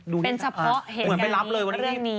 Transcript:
เป็นเฉพาะเหตุการณ์นี้เป็นเหมือนไปล้ำเลยวันนี้